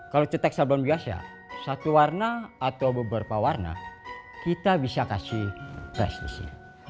kalau cetak sablon biasa satu warna atau beberapa warna kita bisa kasih prestisi